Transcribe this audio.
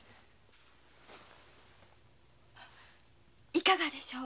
いかがでしょう？